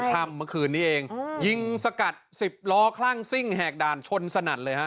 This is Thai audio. ค่ำเมื่อคืนนี้เองยิงสกัด๑๐ล้อคลั่งซิ่งแหกด่านชนสนัดเลยฮะ